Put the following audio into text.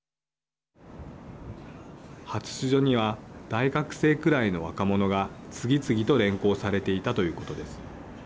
派出所には大学生くらいの若者が次々と連行されていたということです。